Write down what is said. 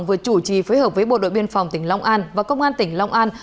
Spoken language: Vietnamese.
vừa chủ trì phối hợp với bộ đội biên phòng tỉnh long an và công an tỉnh long an